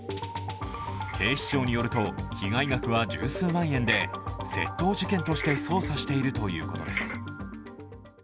警視庁によると、被害額は十数万円で窃盗事件として捜査しているということです。